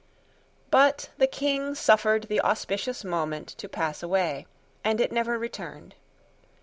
But the King suffered the auspicious moment to pass away; and it never returned.